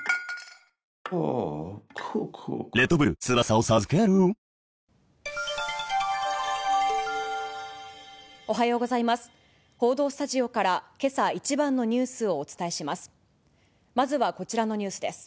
報道スタジオからけさ一番のニュースをお伝えします。